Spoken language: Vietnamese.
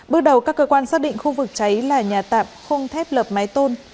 bước đầu các cơ quan xác định khu vực cháy là nhà tạm không thép lập máy tôn